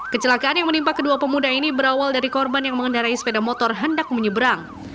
kecelakaan yang menimpa kedua pemuda ini berawal dari korban yang mengendarai sepeda motor hendak menyeberang